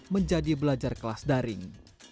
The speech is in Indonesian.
menjadi belajar kelas daring